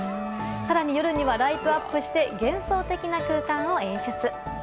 更に、夜にはライトアップして幻想的な空間を演出。